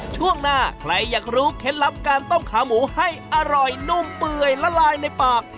ช่วงหน้าใครอยากรู้เคล็ดลับการต้มขาหมูให้อร่อยนุ่มเปื่อยละลายในปาก